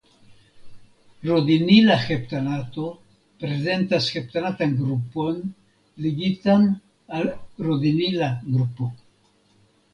Rodinila heptanato prezentas heptanatan grupon ligitan al rodinila grupo.